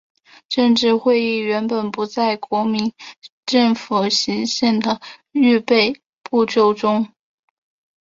政协会议原本不在国民政府行宪的预备步骤中。